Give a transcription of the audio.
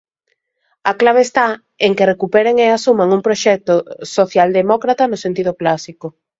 A clave está en que recuperen e asuman un proxecto socialdemócrata no sentido clásico.